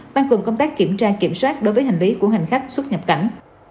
mang cùng công tác kiểm tra kiểm soát đối với hành lý của hành khách xuất nhập cảnh